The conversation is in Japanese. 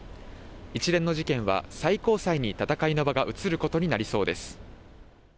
一連の事件は最高裁に戦いの場が移ることになりそうです。